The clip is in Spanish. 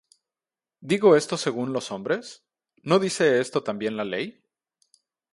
¿Digo esto según los hombres? ¿no dice esto también la ley?